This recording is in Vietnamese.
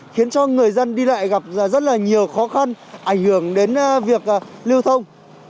khiến cho người dân đi lại gặp rất là nhiều khó khăn ảnh hưởng đến việc lưu thông